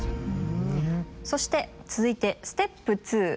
そして続いてステップ２。